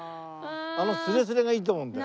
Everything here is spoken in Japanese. あのスレスレがいいと思うんだよ。